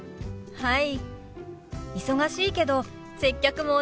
はい。